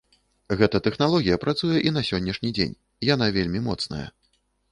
Гэтая тэхналогія працуе і на сённяшні дзень, яна вельмі моцная.